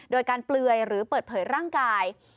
โดยการเปลือยหรือเปิดเผยร่างกาย